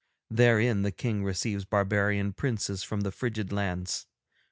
Therein the King receives barbarian princes from the frigid lands.